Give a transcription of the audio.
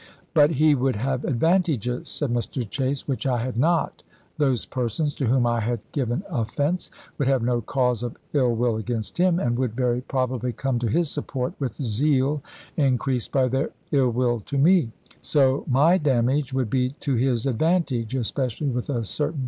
"But he would have advantages," said Mr. Chase, "which I had not. .. Those persons [to whom I had given offense] would have no cause of ill will against him, and would very probably come to his support with zeal increased by their ill will to me; so my damage would be to his advantage, especially with a certain iwd.